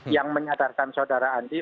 yang menyadarkan saudara andi